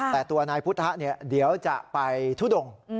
แต่ตัวนายพุทธะเดี๋ยวจะไปทุดง